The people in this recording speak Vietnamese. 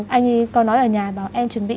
anh ấy có nói ở nhà bảo em chuẩn bị